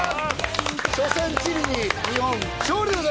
初戦チリに日本勝利です！